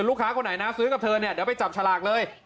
ลูกค้าคนไหนนะซื้อกับเธอเนี่ยเดี๋ยวไปจับฉลากเลย